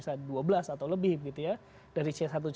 apa yang dilakukan publik saat ini terlepas dari komentarnya